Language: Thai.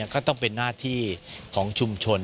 ก็ต้องเป็นหน้าที่ของชุมชน